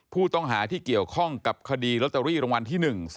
ผู้ต้องหาที่เกี่ยวข้องกับคดีลอตเตอรี่รางวัลที่๑๒